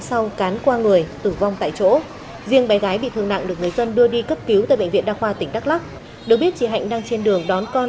xin chào quý vị và các bạn